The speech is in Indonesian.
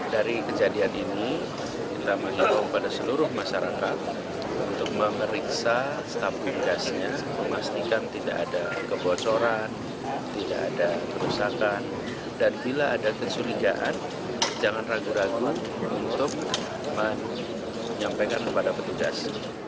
dari kejadian ini kita mengimbau kepada seluruh masyarakat untuk memeriksa stabilitasnya memastikan tidak ada kebocoran tidak ada kerusakan dan bila ada kecurigaan jangan ragu ragu untuk menyampaikan kepada petugas